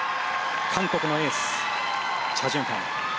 韓国のエースチャ・ジュンファン。